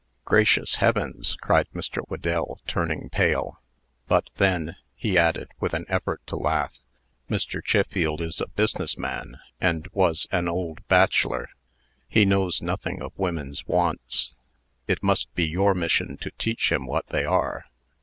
"Gracious heavens!" cried Mr. Whedell, turning pale "But then," he added, with an effort to laugh, "Mr. Chiffield is a business man, and was an old bachelor. He knows nothing of women's wants. It must be your mission to teach him what they are."